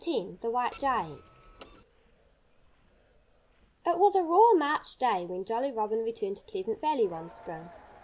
X THE WHITE GIANT It was a raw March day when Jolly Robin returned to Pleasant Valley one spring.